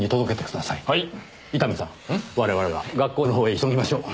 我々は学校の方へ急ぎましょう。